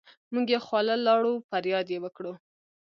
مونږ يې خواله لاړو فرياد يې وکړو